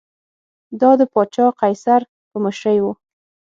دا د پاچا قیصر په مشرۍ و